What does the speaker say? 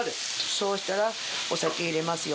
そうしたらお酒入れますよ。